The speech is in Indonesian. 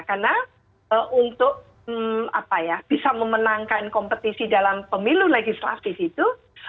karena untuk bisa memenangkan kompetisi dalam pemilu legislatif itu